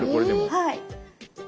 はい。